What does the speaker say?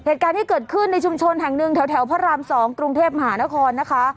เหตุการณ์ที่เกิดขึ้นในชุมชนแห่งหนึ่งแถวพระราม๒กรุงเทพมหานครนะคะ